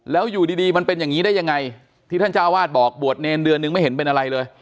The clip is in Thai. แล้วอยู่ดีมันเป็นอย่างนี้ได้ยังไงที่ท่านเจ้าวาดบอกบวชเนรเดือนนึงไม่เห็นเป็นอะไรเลย